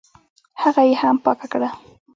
هغه یې هم پاکه کړه.